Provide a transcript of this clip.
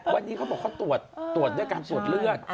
วันนี้เขาบอกเขาตรวจด้วยการตรวจเลือด